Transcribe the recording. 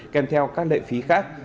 kèm theo các lệ phí khác